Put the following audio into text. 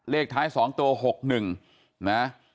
เลขท้ายสองตัวหกหนึ่งนะ